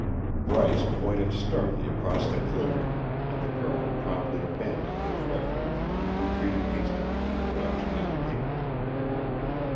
Bryce pointed sternly across the clearing, and the Colonel promptly abandoned his refuge and retreated hastily in the direction indicated.